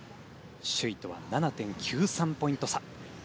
首位とは７．９３ポイント差